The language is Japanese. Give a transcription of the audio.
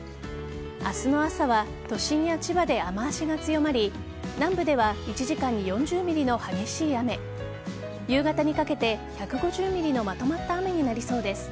明日の朝は都心や千葉で雨脚が強まり南部では１時間に４０ｍｍの激しい雨夕方にかけて１５０ｍｍのまとまった雨になりそうです。